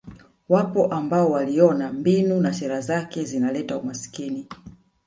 Wapo ambao waliona mbinu na sera zake zinaleta umasikini